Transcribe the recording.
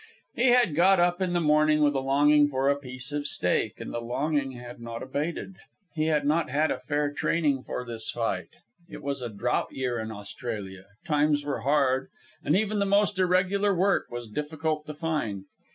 He had got up in the morning with a longing for a piece of steak, and the longing had not abated. He had not had a fair training for this fight. It was a drought year in Australia, times were hard, and even the most irregular work was difficult to find.